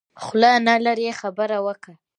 خوله نلرې خبره وکه.